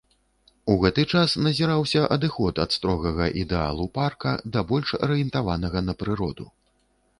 У гэты час назіраўся адыход ад строгага ідэалу парка, да больш арыентаванага на прыроду.